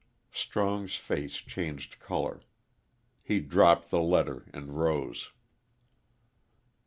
'" Strong's face changed color. He dropped the letter and rose.